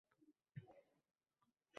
Shogirdlari hozir edi.